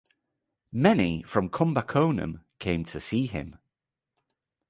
Many from Kumbakonam came to see him.